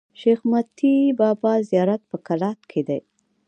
شېخ متي بابا زیارت په کلات کښي دﺉ.